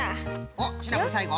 おっシナプーさいご？